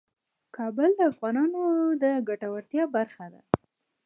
کابل د افغانانو د ګټورتیا برخه ده.